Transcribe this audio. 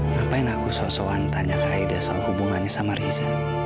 ngapain aku so soan tanya ke aida soal hubungannya sama riza